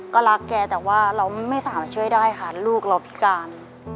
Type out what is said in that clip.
ก็รักแกแต่ว่าเราไม่สามารถช่วยได้ค่ะลูกเราพิการ